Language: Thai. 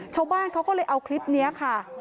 ชาวบ้านเขาก็เลยเอาคลิปนี้ค่ะ